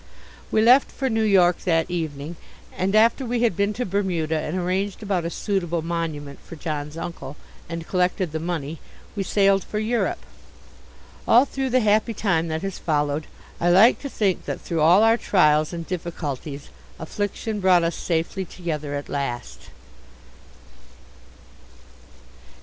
We left for New York that evening, and after we had been to Bermuda and arranged about a suitable monument for John's uncle and collected the money, we sailed for Europe. All through the happy time that has followed, I like to think that through all our trials and difficulties affliction brought us safely together at last.